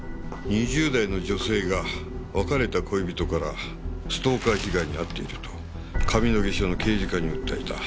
２０代の女性が別れた恋人からストーカー被害に遭っていると上野毛署の刑事課に訴えた。